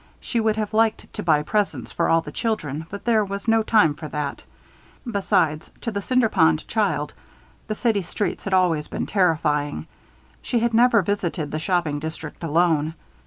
She would have liked to buy presents for all the children, but there was no time for that. Besides, to the Cinder Pond child, the city streets had always been terrifying. She had never visited the shopping district alone.